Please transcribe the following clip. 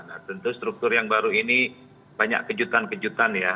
nah tentu struktur yang baru ini banyak kejutan kejutan ya